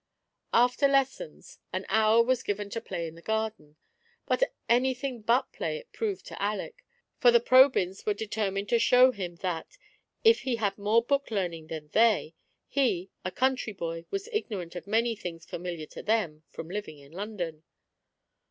After lessons, an hour was given to play in the garden ; but anything but play it proved to Aleck, for the Pro bjTis were detennined to show him that, if he had more book learning than they, he, a country boy, was ignorant of many things familiar to them from living in London.